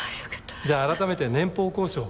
じゃあ改めて年俸交渉を。